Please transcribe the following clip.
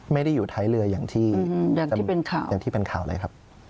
ไม่ได้อยู่ท้ายเรือยังที่เป็นข่าวเลยครับ